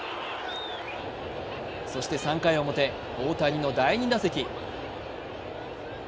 そして３回表、大谷の第２打席。